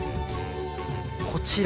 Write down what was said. こちら。